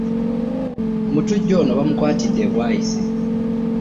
Omutujju ono bamukwatidde e Bwaise.